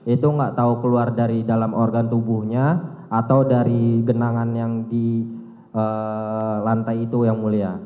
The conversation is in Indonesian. itu nggak tahu keluar dari dalam organ tubuhnya atau dari genangan yang di lantai itu yang mulia